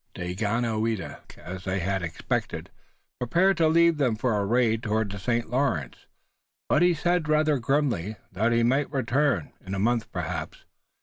Daganoweda, as they had expected, prepared to leave them for a raid toward the St. Lawrence. But he said rather grimly that he might return, in a month perhaps.